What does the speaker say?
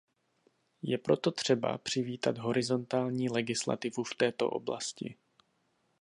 Je proto třeba přivítat horizontální legislativu v této oblasti.